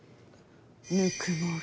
ぬくもり。